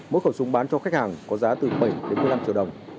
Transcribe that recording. mỗi khẩu súng bán cho khách hàng có giá từ bảy đến một mươi năm triệu đồng